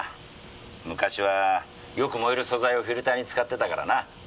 昔はよく燃える素材をフィルターに使ってたからな。